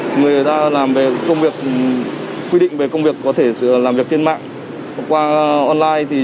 một số trường hợp như về xử lý về người ta làm về công việc quy định về công việc có thể làm việc trên mạng hoặc qua online